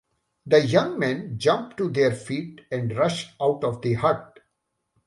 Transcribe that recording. The young men jump to their feet and rush out of the hut.